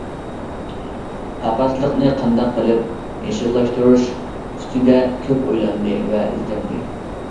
قاقاسلىقنى قانداق قىلىپ يېشىللاشتۇرۇش ئۈستىدە كۆپ ئويلاندى ۋە ئىزدەندى.